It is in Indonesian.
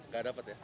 gak dapet ya